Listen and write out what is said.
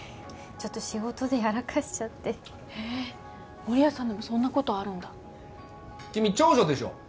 ちょっと仕事でやらかしちゃって守屋さんでもそんなことあるんだ君長女でしょ？